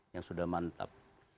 yang sudah mantap